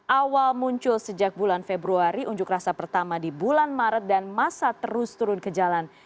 awal muncul sejak bulan februari unjuk rasa pertama di bulan maret dan masa terus turun ke jalan